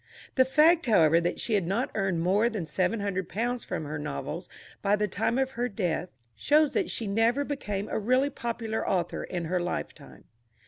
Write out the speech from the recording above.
The fact, however, that she had not earned more than £700 from her novels by the time of her death shows that she never became a really popular author in her lifetime.